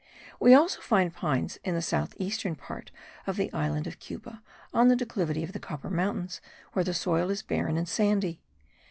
We also find pines in the south eastern part of the island of Cuba, on the declivity of the Copper Mountains where the soil is barren and sandy.